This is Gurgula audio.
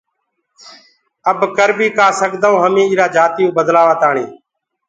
اب ڪر بيٚ ڪآ سگدآئونٚ هميٚنٚ ايٚرآ جاتيٚئو بدلآوآتآڻيٚ